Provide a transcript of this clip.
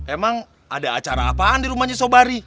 emang ada acara apaan di rumahnya sobari